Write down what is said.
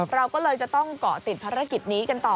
เราก็เลยจะต้องเกาะติดภารกิจนี้กันต่อ